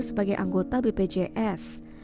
sebagai anggota bpjs